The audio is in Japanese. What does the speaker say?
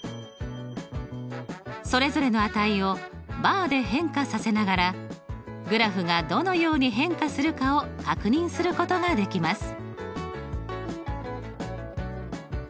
ｃそれぞれの値をバーで変化させながらグラフがどのように変化するかを確認することができます。